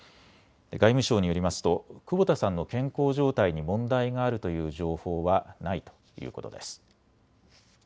外務省によりますと久保田さんの健康状態に問題があるという情報はないということです。